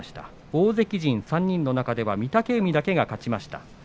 大関陣３人の中では御嶽海だけが勝ちました。